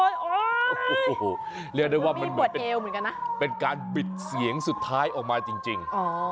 เรียนได้ว่ามันเป็นการบิดเสียงสุดท้ายออกมาจริง